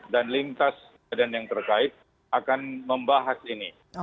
dan lingkas keadaan yang terkait akan membahas ini